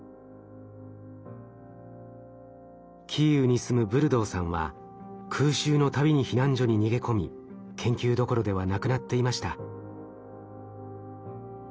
キーウに住むブルドーさんは空襲の度に避難所に逃げ込み研究どころではなくなっていました。